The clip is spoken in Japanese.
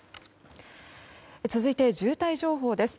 続いて渋滞情報です。